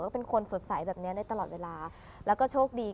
ก็เป็นคนสดใสแบบเนี้ยได้ตลอดเวลาแล้วก็โชคดี